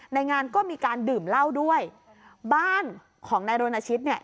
ในงานก็มีการดื่มเหล้าด้วยบ้านของนายรณชิตเนี่ย